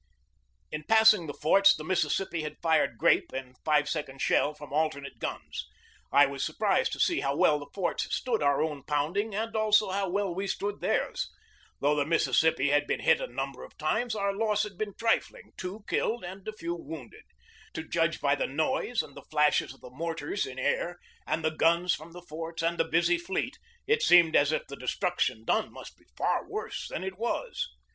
In passing the forts the Mississippi had fired grape and five second shell from alternate guns. I was surprised to see how well the forts stood our own pounding and also how well we stood theirs. Though the Mississippi had been hit a number of times, our loss had been trifling two killed and a few wounded. To judge by the noise, and the flashes of the mortars in air, and the guns from the forts, and the busy fleet, it seemed as if the de struction done must be far worse than it was.